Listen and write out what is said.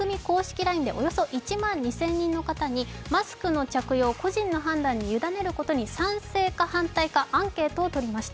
ＬＩＮＥでおよそ１万２０００人の方にマスクの着用、個人の判断に委ねることに賛成か反対かアンケートを取りました。